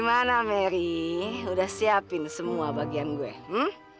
gimana merry udah siapin semua bagian gue hmm